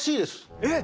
えっ！